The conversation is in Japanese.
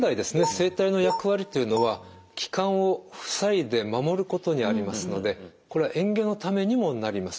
声帯の役割というのは気管を塞いで守ることにありますのでこれは嚥下のためにもなります。